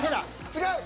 違う！